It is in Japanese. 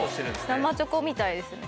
生チョコみたいですね。